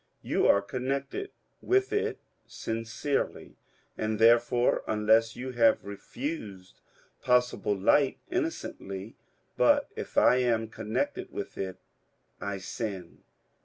You are connected with it sincerely, and, there fore, unless you have refused possible light, innocently ; but if I am connected with it, I sin.